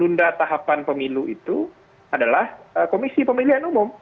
tunda tahapan pemilu itu adalah komisi pemilihan umum